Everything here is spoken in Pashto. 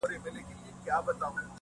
له خپل ځانه مي کافر جوړ کړ ته نه وي!.